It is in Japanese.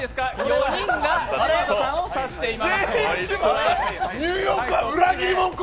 ４人が嶋佐さんを指しています。